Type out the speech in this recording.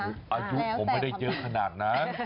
อายุผมไม่ได้เยอะขนาดนั้น